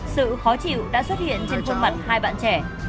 sự khó chịu đã xuất hiện trên khuôn mặt hai bạn trẻ